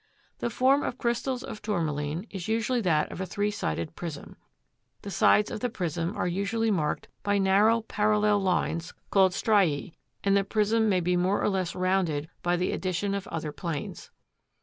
The form of crystals of Tourmaline is usually that of a three sided prism. The sides of the prism are usually marked by narrow parallel lines called striæ, and the prism may be more or less rounded by the addition of other planes.